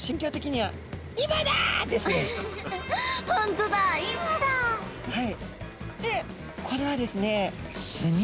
はい。